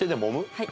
はい。